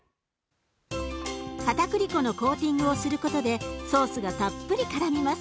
かたくり粉のコーティングをすることでソースがたっぷりからみます。